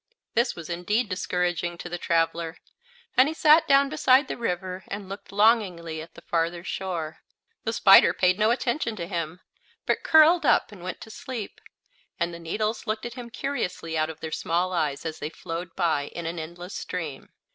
This was indeed discouraging to the traveler, and he sat down beside the river and looked longingly at the farther shore. The spider paid no attention to him, but curled up and went to sleep, and the needles looked at him curiously out of their small eyes as they flowed by in an endless stream.